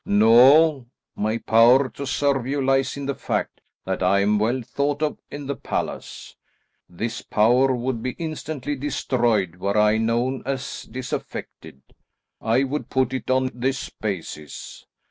"No. My power to serve you lies in the fact that I am well thought of in the palace. This power would be instantly destroyed were I known as disaffected. I would put it on this basis.